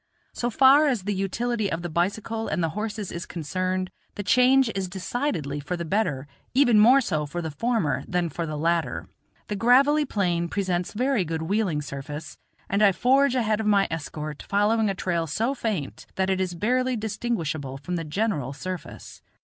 So far as the utility of the bicycle and the horses is concerned, the change is decidedly for the better, even more so for the former than for the latter. The gravelly plain presents very good wheeling surface, and I forge ahead of my escort, following a trail so faint that it is barely distinguishable from the general surface.